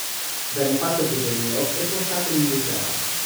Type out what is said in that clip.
Venne fatto prigioniero e portato in Inghilterra.